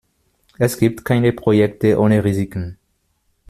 Es gibt keine Projekte ohne Risiken.